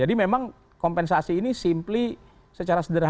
jadi memang kompensasi ini simply secara sederhana